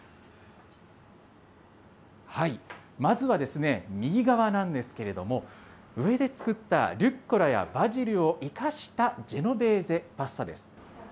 まずは、右側なんですけれども、上で作ったルッコラやバジルを生かしたジェノベーゼパスタです。